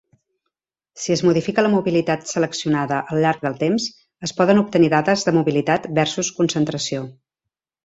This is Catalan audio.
Si es modifica la mobilitat seleccionada al llarg del temps, es poden obtenir dades de mobilitat versus concentració.